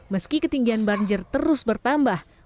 meski ketinggian banjir terus bertambah